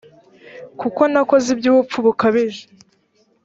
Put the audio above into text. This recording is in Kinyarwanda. kuko nakoze iby ubupfu bukabije